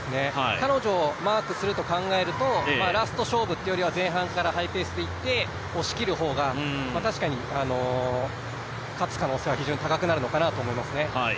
彼女をマークすると考えるとラスト勝負っていうよりは、前半からハイペースでいって押し切る方が確かに勝つ可能性は非常に高くなるかなと思います。